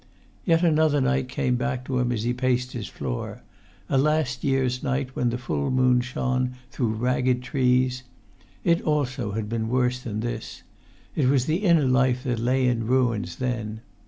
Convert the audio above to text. Yet another night came back to him as he paced his floor: a last year's night when the full moon shone through ragged trees. It also had been worse than this: it was the inner life that lay in ruins then.